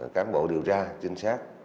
cán bộ điều tra trinh sát